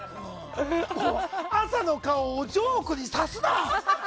朝の顔をジョークにさすな！